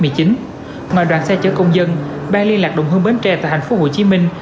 covid một mươi chín ngoài đoàn xe chở công dân bang liên lạc đồng hương bến tre tại thành phố hồ chí minh